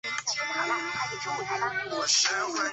中东航空在贝鲁特机场设有公司总部和培训中心。